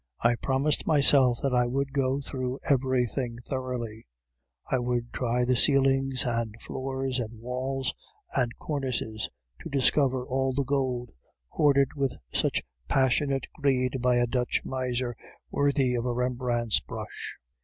I promised myself that I would go through everything thoroughly; I would try the ceilings, and floors, and walls, and cornices to discover all the gold, hoarded with such passionate greed by a Dutch miser worthy of a Rembrandt's brush.